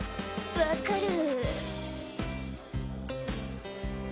わかる。